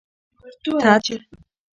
تت